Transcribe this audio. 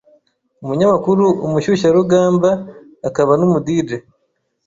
Umunyamakuru, umushyushyarugamba akaba n’ umu Dj